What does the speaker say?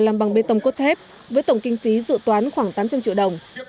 làm bằng bê tông cốt thép với tổng kinh phí dự toán khoảng tám trăm linh triệu đồng